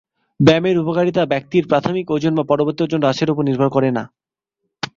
ব্যায়ামের উপকারিতা ব্যক্তির প্রাথমিক ওজন বা পরবর্তী ওজন হ্রাসের উপর নির্ভর করে না।